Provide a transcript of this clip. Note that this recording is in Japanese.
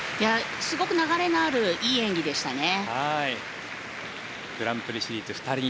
すごく流れのあるいい演技でしたね。